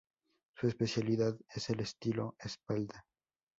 Su especialidad es el estilo espalda.